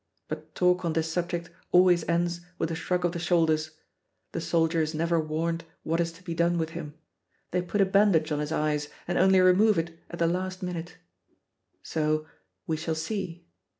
But talk on this subject always ends with a shrug of the shoulders; the soldier is never warned what is to be done with him; they put a bandage on his eyes, and only remove it at the last minute. So, "We shall see."